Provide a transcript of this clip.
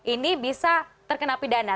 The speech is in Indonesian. ini bisa terkena pidana